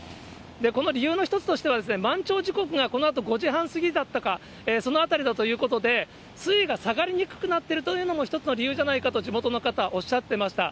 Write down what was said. この理由の一つとしては、満潮時刻がこのあと５時半過ぎだったか、そのあたりだということで、水位が下がりにくくなっているというのも一つの理由じゃないかと、地元の方、おっしゃってました。